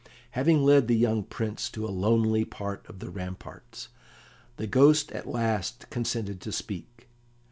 Having led the young Prince to a lonely part of the ramparts, the Ghost at last consented to speak.